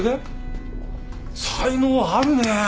才能あるねえ。